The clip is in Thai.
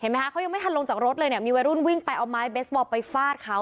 ไหมคะเขายังไม่ทันลงจากรถเลยเนี่ยมีวัยรุ่นวิ่งไปเอาไม้เบสบอลไปฟาดเขา